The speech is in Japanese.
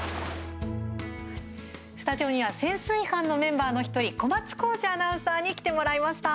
スタジオには潜水班のメンバーの１人小松宏司アナウンサーに来てもらいました。